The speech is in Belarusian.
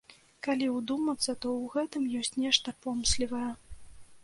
Калі ўдумацца, то ў гэтым ёсць нешта помслівае.